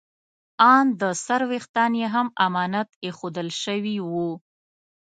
ان د سر ویښتان یې هم امانت ایښودل شوي وو.